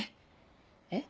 えっ？